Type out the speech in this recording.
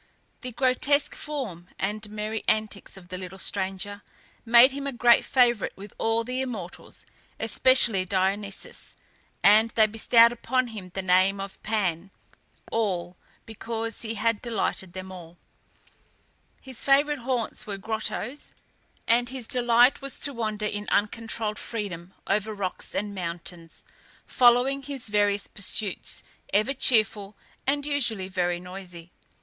The grotesque form and merry antics of the little stranger made him a great favourite with all the immortals, especially Dionysus; and they bestowed upon him the name of Pan (all), because he had delighted them all. His favourite haunts were grottoes, and his delight was to wander in uncontrolled freedom over rocks and mountains, following his various pursuits, ever cheerful, and usually very noisy.